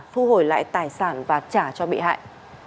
thu hồi lại tài sản và trả cho bị hại